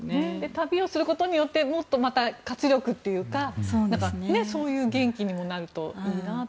旅をすることによってもっと活力というかそういう元気にもなるといいなと。